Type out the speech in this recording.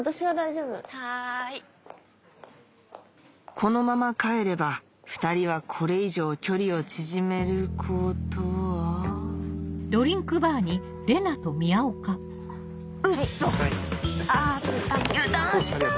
このまま帰れば２人はこれ以上距離を縮めることはウッソ⁉油断した！